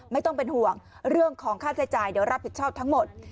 ไม่ต้องเป็นห่วงเรื่องของค่าใช้จ่ายเดี๋ยวรับผิดชอบทั้งหมด